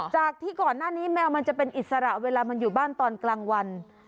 จากที่ก่อนหน้านี้แมวมันจะเป็นอิสระเวลามันอยู่บ้านตอนกลางวัน